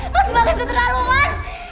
mas bagas betul aluman